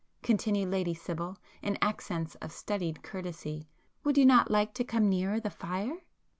continued Lady Sibyl, in accents of studied courtesy—"Would you not like to come nearer the fire?"